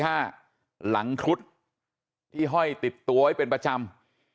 หลังครุฑที่ห้อยติดตัวไว้เป็นประจำ